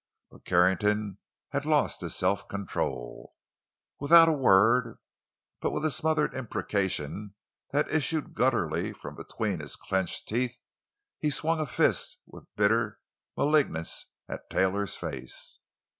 But Carrington had lost his self control. Without a word, but with a smothered imprecation that issued gutturally from between his clenched teeth, he swung a fist with bitter malignance at Taylor's face.